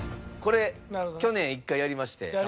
これ去年１回やりまして。